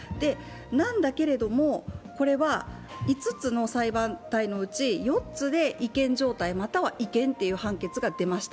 なんだけれども、これは５つの裁判体のうち、４つで違憲状態、または違憲という判決が出ました。